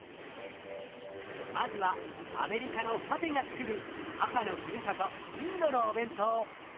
まずはアメリカのファテがつくる母のふるさとインドのお弁当。